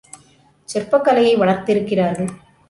சிற்பக் கலையை வளர்த்திருக்கிறார்கள்.